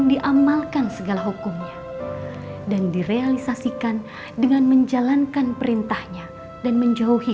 diamalkan segala hukumnya dan direalisasikan dengan menjalankan perintahnya dan menjauhi